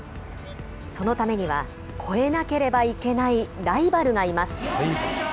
そのためには、超えなければいけないライバルがいます。